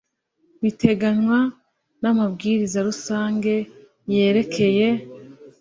biteganywa n amabwiriza rusange yerekeye